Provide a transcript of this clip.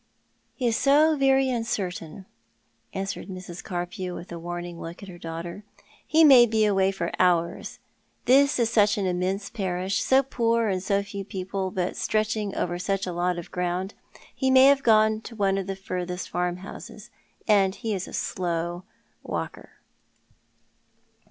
"He is so very uncertain," answered Mrs. Carpew, with a warning look at her daughter. " He may be away for hours. This is such an immense jiarish — so poor and so few people, but stretching over such a lot of ground. He may have gone to one of the furthest farmhouses ; and he is a slow walker."